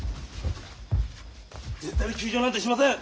絶対に休場なんてしません！